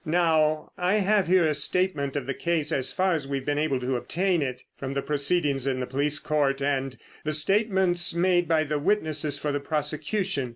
Now, I have here a statement of the case as far as we've been able to obtain it from the proceedings in the police court, and the statements made by the witnesses for the prosecution.